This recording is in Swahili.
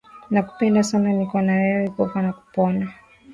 Nakupenda sana niko na wewe kufa na kupona